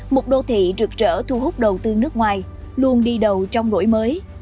một đô thị rực rỡ thu hút đầu tư nước ngoài luôn đi đầu trong nỗi mới